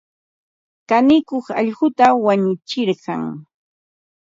Kanikuq allquta wanutsirqan.